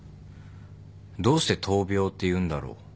どうして「闘病」って言うんだろう。